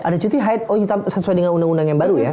ada cuti haid oh sesuai dengan undang undang yang baru ya